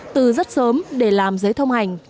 từ rất sớm để làm giấy thông hành